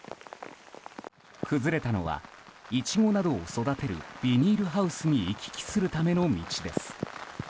崩れたのはイチゴなどを育てるビニールハウスに行き来するための道です。